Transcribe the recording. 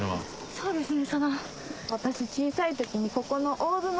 そうですね。